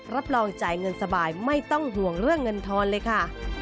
รับรองจ่ายเงินสบายไม่ต้องห่วงเรื่องเงินทอนเลยค่ะ